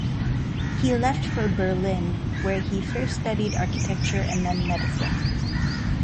He left for Berlin, where he first studied architecture and then medicine.